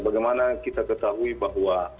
bagaimana kita ketahui bahwa